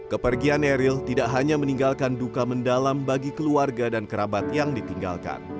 kepergian eril tidak hanya meninggalkan duka mendalam bagi keluarga dan kerabat yang ditinggalkan